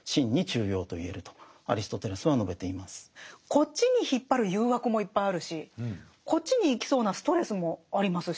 こっちに引っ張る誘惑もいっぱいあるしこっちに行きそうなストレスもありますし。